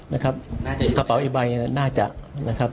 นะครับกระเป๋าไอใบน่าจะ